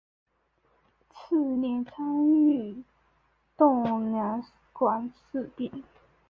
次年参与策动两广事变。